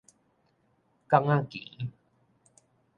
港仔墘